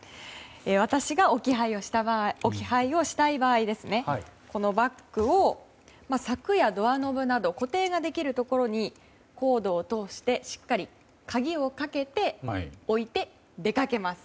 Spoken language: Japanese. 私が置き配をしたい場合このバッグを柵やドアノブなど固定できるところにコードを通してしっかり鍵をかけて置いて出かけます。